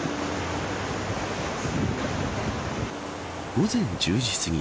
午前１０時すぎ